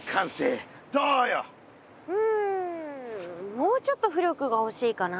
もうちょっと浮力がほしいかな。